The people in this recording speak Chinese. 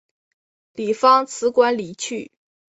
李芳辞官离去。